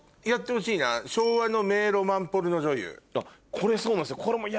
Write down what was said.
これそうなんですよ。